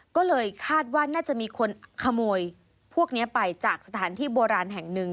ก็เลยคาดว่าน่าจะมีคนขโมยพวกนี้ไปจากสถานที่โบราณแห่งหนึ่ง